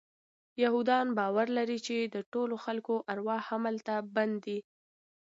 یهودان باور لري چې د ټولو خلکو ارواح همدلته بند دي.